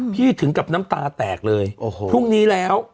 ถึงกับน้ำตาแตกเลยพรุ่งนี้แล้ว